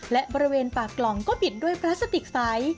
และบริเวณปากกล่องก็บิดด้วยพลาสติกใส